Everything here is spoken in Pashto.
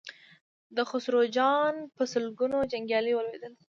د خسرو خان په سلګونو جنګيالي ولوېدل.